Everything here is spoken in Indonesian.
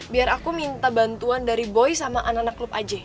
biar aku minta bantuan dari boy sama anak anak klub aj